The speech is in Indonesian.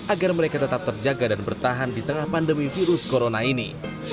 agar mereka tetap terjaga dan bertahan di tengah pandemi virus corona ini